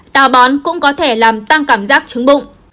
táo bón cũng có thể làm tăng cảm giác chướng bụng